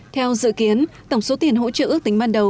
theo dự kiến tổng số tiền hỗ trợ ước tính ban đầu